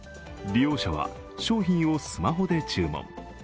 利用者は商品をスマホで注文。